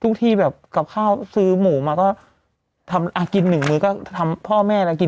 ความดันขึ้นไมเกรนก็จะขึ้นด้วยตอนนี้